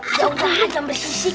aduh aduh aduh bersisik